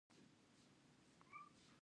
افغانان خپل تاریخي میراث ساتي.